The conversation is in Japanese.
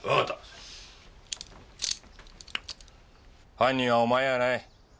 犯人はお前やない。